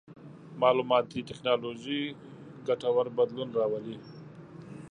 مالوماتي ټکنالوژي ګټور بدلون راولي.